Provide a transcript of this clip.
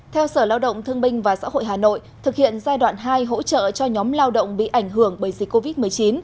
theo sở lao động thương binh và xã hội hà nội thực hiện giai đoạn hai hỗ trợ cho nhóm lao động bị ảnh hưởng bởi dịch covid một mươi chín